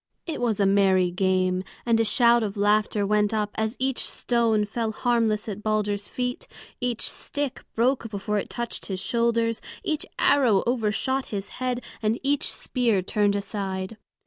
It was a merry game, and a shout of laughter went up as each stone fell harmless at Balder's feet, each stick broke before it touched his shoulders, each arrow overshot his head, and each spear turned aside.